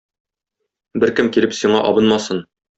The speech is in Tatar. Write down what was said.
Беркем килеп сиңа абынмасын.